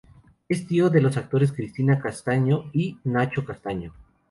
Es tío de los actores Cristina Castaño y Nacho Castaño.